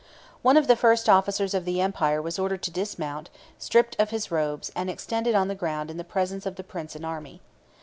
One of the first officers of the empire was ordered to dismount, stripped of his robes, and extended on the ground in the presence of the prince and army.